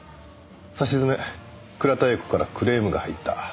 さしずめ倉田映子からクレームが入った。